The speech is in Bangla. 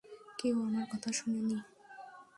কেউ আমার কথা শোনেনি।